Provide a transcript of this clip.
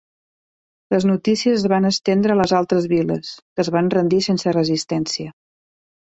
Les notícies es van estendre a les altres viles, que es van rendir sense resistència.